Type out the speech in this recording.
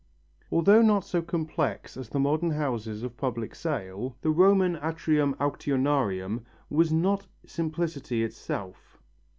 Although not so complex as the modern houses of public sale, the Roman atrium auctionarium was not simplicity itself.